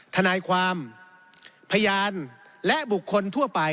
ทนายความพยานและบุคคลทั่วไป